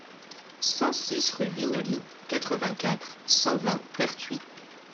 cent six rue Vinolly, quatre-vingt-quatre, cent vingt, Pertuis